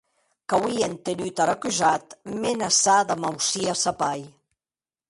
Qu'auie entenut ar acusat menaçar damb aucir a sa pair.